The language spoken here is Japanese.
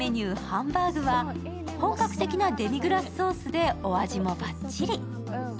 ハンバーグは本格的なデミグラスソースでお味もバッチリ。